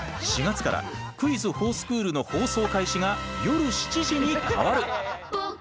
４月から「クイズほぉスクール」の放送開始が夜７時に変わる。